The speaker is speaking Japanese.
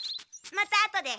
またあとで。